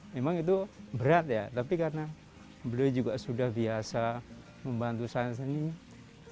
memang itu berat ya tapi karena beliau juga sudah biasa membantu saya sendiri